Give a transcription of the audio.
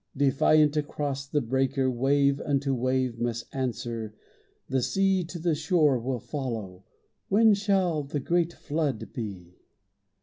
Defiant across the breaker, Wave unto wave must answer, The sea to the shore will follow; When shall the great flood be?